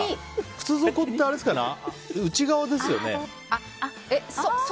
靴底って内側ですよね。